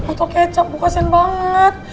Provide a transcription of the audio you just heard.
potok kecap bu kasian banget